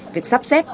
việc sắp xếp